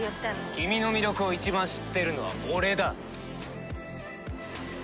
君の魅力を一番知ってるのは俺だ！